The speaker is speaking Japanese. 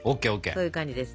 そういう感じです。